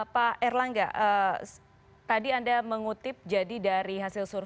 pak erlangga tadi anda mengutip jadi dari hasil survei